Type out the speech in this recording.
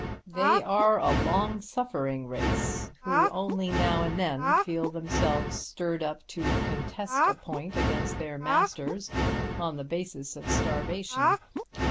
They are a long suffering race, who only now and then feel themselves stirred up to contest a point against their masters on the basis of starvation.